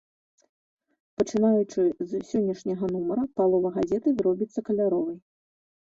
Пачынаючы з сённяшняга нумара палова газеты зробіцца каляровай.